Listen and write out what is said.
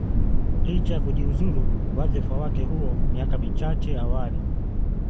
licha ya kujiuzulu wadhifa wake huo miaka michache awali